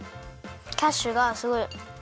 キャッシュがすごいあのあれ。